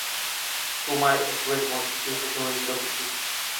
তোমায় এসবের মধ্য দিয়ে যেতে হয়েছিল বলে দুঃখিত।